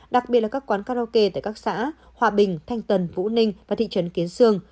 đặc biệt là các quán karaoke tại các xã hòa bình thanh tần vũ ninh và thị trấn kiến sương